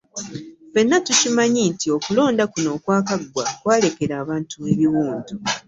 Ffenna tukimanyi nti okulonda kuno okw'akaggwa kwalekera abantu ebiwundu.